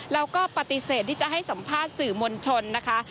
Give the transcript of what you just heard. แล้วก็ปฏิเสธที่จะให้สัมภาษณ์สื่อมวลชนนะคะ